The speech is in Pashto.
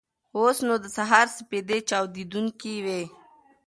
اوس نو د سهار سپېدې چاودېدونکې وې.